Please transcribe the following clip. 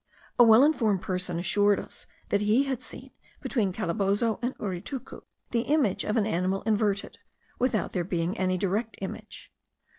A well informed person assured us, that he had seen, between Calabozo and Uritucu, the image of an animal inverted, without there being any direct image.